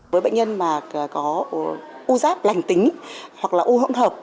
với bệnh nhân có u dắp lành tính hoặc u hỗn hợp